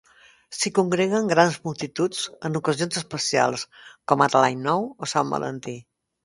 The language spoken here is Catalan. S'hi congreguen grans multituds en ocasions especials com ara l'any nou o Sant Valentí.